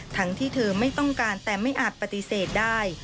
ทั้งที่เธอไม่ต้องการแต่ไม่อาจปฏิเสธได้